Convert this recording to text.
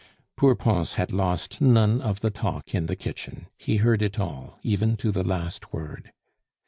Poor Pons had lost none of the talk in the kitchen; he heard it all, even to the last word.